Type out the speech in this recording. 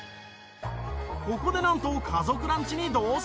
ここでなんと家族ランチに同席。